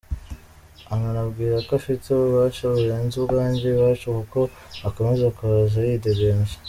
Ananambwira ko afite ububasha burenze ubwanjye iwacu kuko akomeza kuhaza yidegembya.